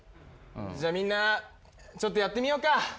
じゃあみんなちょっとやってみようか。